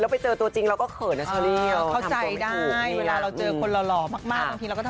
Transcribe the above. แล้วไปเจอตัวจริงเราก็เขินนะชอลลี่